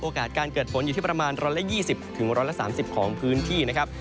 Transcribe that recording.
การเกิดฝนอยู่ที่ประมาณ๑๒๐๑๓๐ของพื้นที่นะครับ